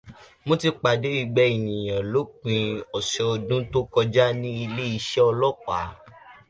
Mo ti pàdé igba ènìyàn lópin ọ̀sẹ̀ ọdún tó kọjá ní Ilé iṣẹ́ Ọlọ́pàá